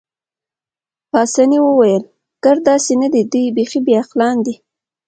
پاسیني وویل: ګرد داسې نه دي، دوی بیخي بې عقلان دي.